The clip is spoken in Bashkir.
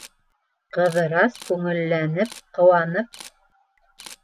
Ҡыҙырас күңелләнеп, ҡыуанып: